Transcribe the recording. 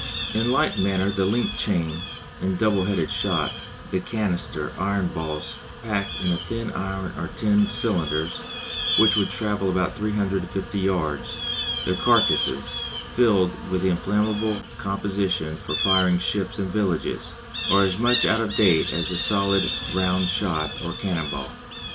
In like manner the linked chain and "double headed" shot, the "canister" iron balls packed in thin iron or tin cylinders which would travel about 350 yards the "carcasses" filled with inflammable composition for firing ships and villages, are as much out of date as the solid round shot or cannon ball.